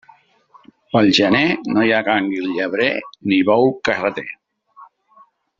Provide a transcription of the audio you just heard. Pel gener no hi ha gànguil llebrer ni bou carreter.